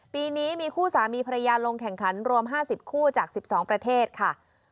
ปีนี้มีคู่สามีภรรยาลงแข่งขันรวม๕๐คู่จาก๑๒ประเทศค่ะ